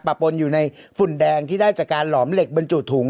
ปนอยู่ในฝุ่นแดงที่ได้จากการหลอมเหล็กบรรจุถุง